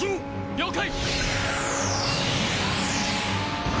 了解！